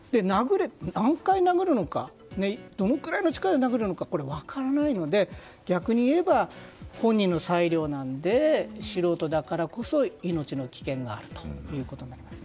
何回、どのぐらいの力で殴るのか分からないので逆に言えば、本人の裁量なので素人だからこそ命の危険があるということです。